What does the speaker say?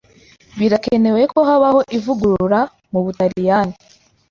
Birakenewe ko habaho ivugurura mu Butaliyani.